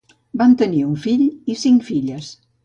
Van tenir un fill i cinc filles.